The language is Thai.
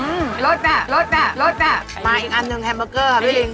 อืมลดอ่ะลดอ่ะลดอ่ะมาอีกอันนึงแฮมเบอร์เกอร์ค่ะพี่